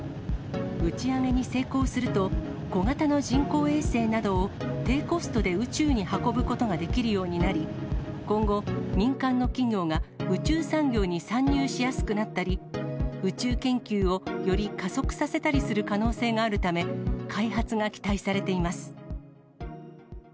打ち上げに成功すると、小型の人工衛星などを低コストで宇宙に運ぶことができるようになり、今後、民間の企業が宇宙産業に参入しやすくなったり、宇宙研究をより加速させたりする可能性があるため、開発が期待されています。